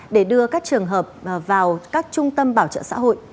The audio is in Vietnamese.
để đưa các trường hợp vào các trung tâm bảo trợ xã hội